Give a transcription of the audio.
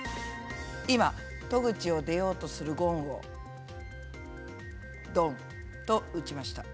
「今戸口を出ようとするごんをドンとうちました。